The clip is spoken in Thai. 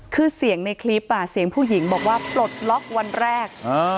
คือเสียงในคลิปเสียงผู้หญิงบอกว่าปลดล็อกวันแรก